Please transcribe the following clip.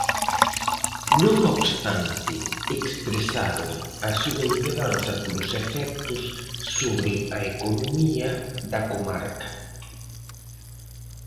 Non obstante, expresaron a súa inquedanza polos efectos sobre a economía da comarca.